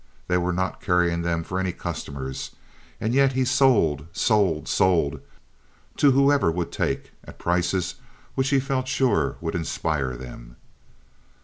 They were not carrying them for any customers, and yet he sold, sold, sold, to whoever would take, at prices which he felt sure would inspire them.